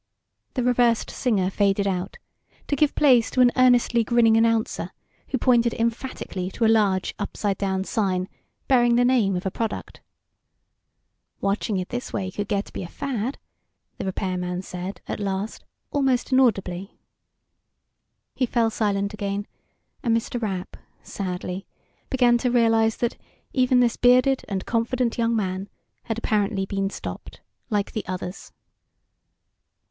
The reversed singer faded out, to give place to an earnestly grinning announcer who pointed emphatically to a large, upside down sign bearing the name of a product. "Watching it this way could get to be a fad," the repairman said, at last, almost inaudibly. He fell silent again, and Mr. Rapp, sadly, began to realize that even this bearded and confident young man had apparently been stopped, like the others.